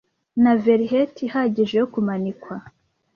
na velheti ihagije yo kumanikwa